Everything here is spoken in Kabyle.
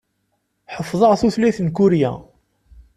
Ḥeffḍeɣ tutlayt n Kurya.